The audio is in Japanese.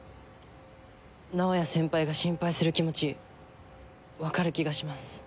直哉先輩が心配する気持ちわかる気がします。